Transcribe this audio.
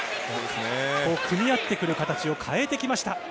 組み合ってくる形を変えてきました。